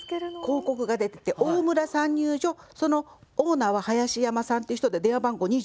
広告が出てて大村産乳所そのオーナーは林山さんっていう人で電話番号二七番。